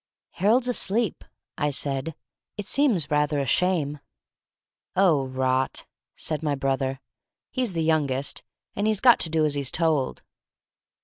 "Harold's asleep," I said; "it seems rather a shame " "Oh, rot!" said my brother; "he's the youngest, and he's got to do as he's told!"